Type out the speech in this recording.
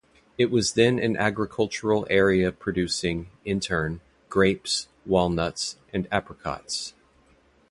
It was then an agricultural area producing, in turn, grapes, walnuts, and apricots.